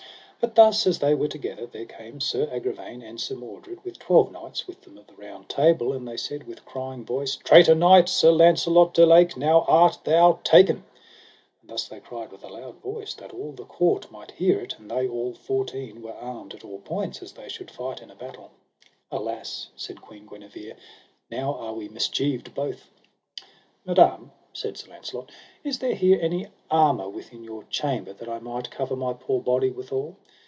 But thus as they were together, there came Sir Agravaine and Sir Mordred, with twelve knights with them of the Round Table, and they said with crying voice: Traitor knight, Sir Launcelot du Lake, now art thou taken. And thus they cried with a loud voice, that all the court might hear it; and they all fourteen were armed at all points as they should fight in a battle. Alas said Queen Guenever, now are we mischieved both Madam, said Sir Launcelot, is there here any armour within your chamber, that I might cover my poor body withal?